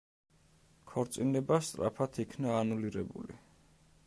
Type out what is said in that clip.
ქორწინება სწრაფად იქნა ანულირებული.